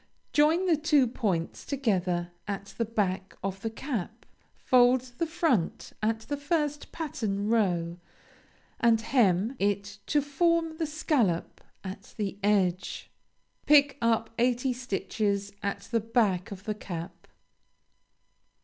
Join the two points together at the back of the cap. Fold the front at the first pattern row, and hem it to form the scallop at the edge. Pick up eighty stitches at the back of the cap.